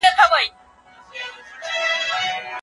زموږ په ټولنه کي بیکاري ډېره سوی ده.